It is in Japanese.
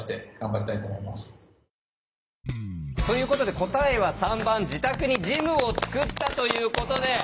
ということで答えは３番自宅にジムを作ったということで。